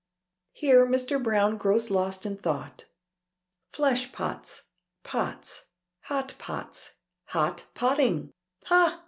Here Mr. Browne grows lost in thought. "Fleshpots pots hot pots; hot potting! Hah!"